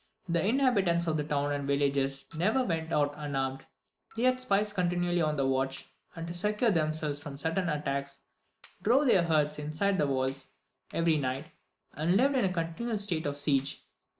The inhabitants of the towns and villages never went out unarmed; they had spies continually on the watch; and to secure themselves from sudden attacks, drove their herds inside the walls every night, and lived in a continual state of siege.